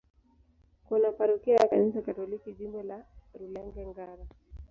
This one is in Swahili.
Kuna parokia ya Kanisa Katoliki, Jimbo la Rulenge-Ngara.